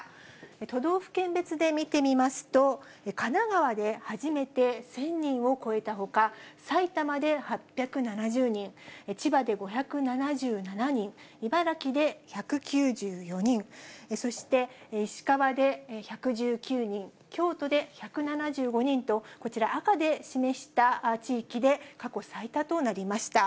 都道府県別で見てみますと、神奈川で初めて１０００人を超えたほか、埼玉で８７０人、千葉で５７７人、茨城で１９４人、そして石川で１１９人、京都で１７５人と、こちら、赤で示した地域で過去最多となりました。